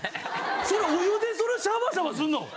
それお湯でシャバシャバすんの！？